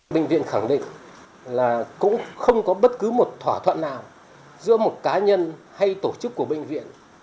bệnh viện khẳng định là cũng không có bất cứ một thỏa thuận nào giữa một cá nhân hay tổ chức của bệnh viện